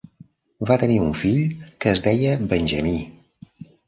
Va tenir un fill que es deia Benjamí.